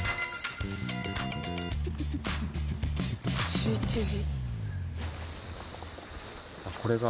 １１時。